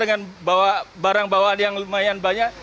dan bawa barang bawaan yang lumayan banyak